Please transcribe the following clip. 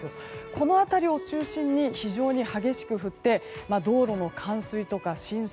この辺りを中心に非常に激しく降って道路の冠水とか浸水